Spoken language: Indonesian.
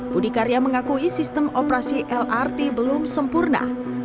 budi karya mengakui sistem operasi lrt belum sempurna